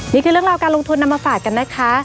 นี่คือเรื่องราวการลงทุนนำมาฝากกันนะคะ